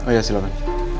oh ya silahkan